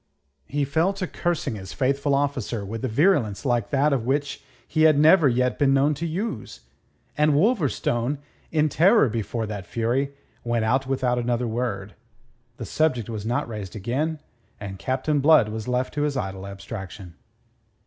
He fell to cursing his faithful officer with a virulence the like of which he had never yet been known to use. And Wolverstone, in terror before that fury, went out without another word. The subject was not raised again, and Captain Blood was left to his idle abstraction.